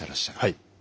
はい。